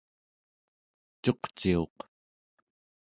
cuqciuq